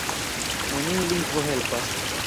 Neniu lingvo helpas.